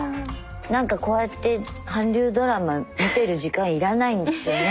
何かこうやって韓流ドラマ見てる時間いらないんですよね。